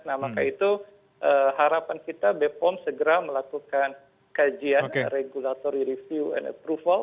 nah maka itu harapan kita bepom segera melakukan kajian regulatory review and approval